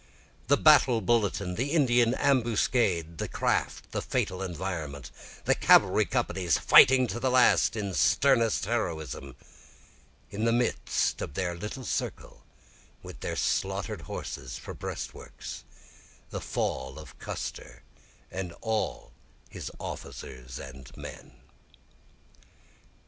The battle bulletin, The Indian ambuscade, the craft, the fatal environment, The cavalry companies fighting to the last in sternest heroism, In the midst of their little circle, with their slaughter'd horses for breastworks, The fall of Custer and all his officers and men.